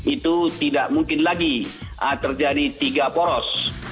itu tidak mungkin lagi terjadi tiga poros